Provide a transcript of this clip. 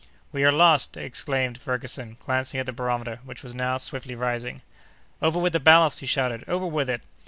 "We are lost!" exclaimed Ferguson, glancing at the barometer, which was now swiftly rising. "Over with the ballast!" he shouted, "over with it!"